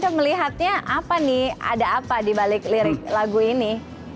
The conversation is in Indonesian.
kelihatannya apa nih ada apa di balik lirik lagu ini